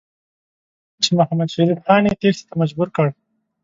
چې محمدشریف خان یې تېښتې ته مجبور کړ.